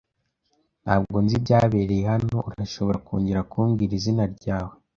Ntabwo nzi ibyabereye hano. Urashobora kongera kumbwira izina ryawe?